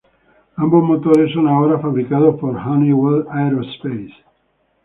Ambos motores son ahora fabricados por Honeywell Aerospace.